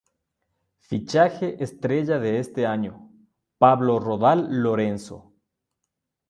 Fichaje estrella de este año: Pablo Rodal Lorenzo.